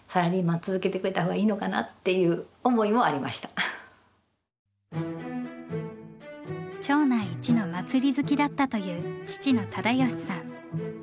今じゃなくって町内一の祭り好きだったという父の忠喜さん。